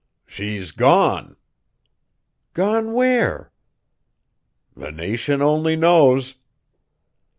"She's gone!" "Gone where?" "The nation only knows!"